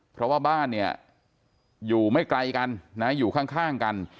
เพราะว่าบ้านเนี่ยอยู่ไม่ไกลกันนะอยู่ข้างกัน